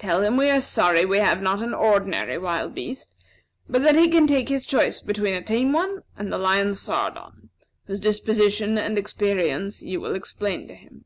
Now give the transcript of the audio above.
Tell him we are sorry we have not an ordinary wild beast; but that he can take his choice between a tame one and the lion Sardon, whose disposition and experience you will explain to him."